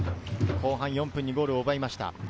後半４分にゴールを奪いました。